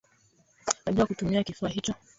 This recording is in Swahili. Najua kutumia kifaa hicho